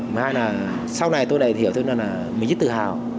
hai là sau này tôi lại hiểu thêm là mình rất tự hào